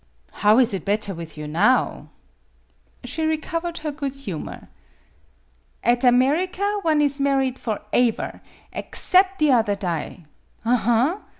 " How is it better with you now ?" She recovered her good humor. "At America one is married foraever aexcep' the other die. Aha!